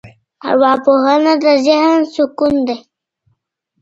ارواپوهنه د ذهن سکون دی.